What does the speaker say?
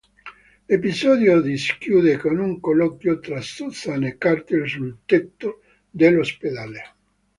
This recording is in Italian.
L'episodio si chiude con un colloquio tra Susan e Carter sul tetto dell'ospedale.